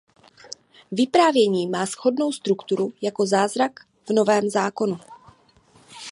Vyprávění má shodnou strukturu jako zázrak v Novém zákonu.